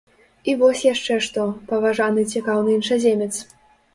І вось яшчэ што, паважаны цікаўны іншаземец.